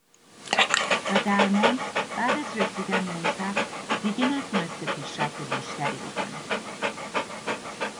و درمان بعد از رسیدن به اون سقف دیگه نتونسته پیشرفت بیشتری بکنه.